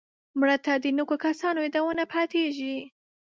مړه ته د نیکو کسانو یادونه پاتېږي